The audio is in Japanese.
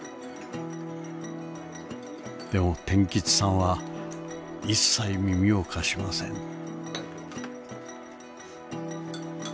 でも天吉さんは一切耳を貸しません。